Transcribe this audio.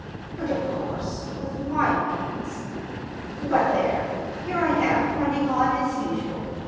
But, of course, with my means—But, there! Here I am, running on as usual.